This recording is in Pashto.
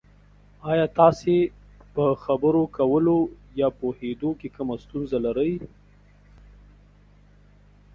ایا تاسو په خبرو کولو یا پوهیدو کې کومه ستونزه لرئ؟